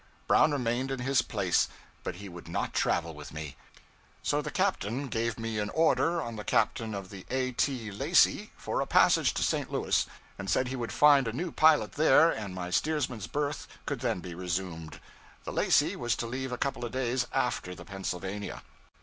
Brown remained in his place; but he would not travel with me. So the captain gave me an order on the captain of the 'A. T. Lacey,' for a passage to St. Louis, and said he would find a new pilot there and my steersman's berth could then be resumed. The 'Lacey' was to leave a couple of days after the 'Pennsylvania.'